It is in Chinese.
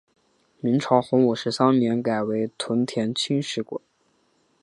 明朝洪武十三年改为屯田清吏司。